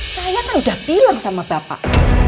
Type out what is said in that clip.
saya kan udah bilang sama bapak